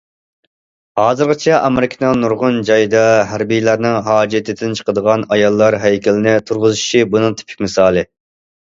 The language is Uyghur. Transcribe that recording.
ھازىرغىچە ئامېرىكىنىڭ نۇرغۇن جايدا ھەربىيلەرنىڭ ھاجىتىدىن چىقىدىغان ئاياللار ھەيكىلىنى تۇرغۇزۇشى بۇنىڭ تىپىك مىسالى.